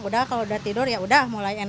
udah kalau udah tidur yaudah mulai enakan